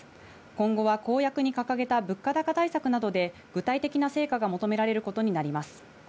今後は公約した物価高対策などで具体的な成果が求められることになります。